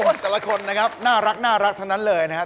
แต่ละคนนะครับน่ารักทั้งนั้นเลยนะครับ